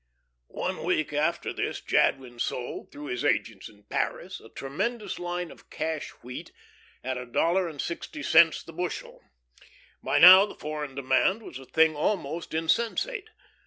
One week after this Jadwin sold, through his agents in Paris, a tremendous line of "cash" wheat at a dollar and sixty cents the bushel. By now the foreign demand was a thing almost insensate.